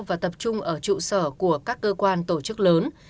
và tập trung ở trụ sở của các cơ quan tổ chức lớn